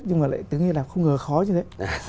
nhưng mà lại tiếng hy lạp không ngờ khó như thế